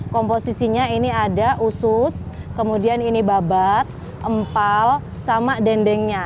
komposisinya ini ada usus kemudian ini babat empal sama dendengnya